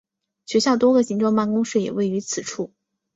学校多个行政办公室也位于此处。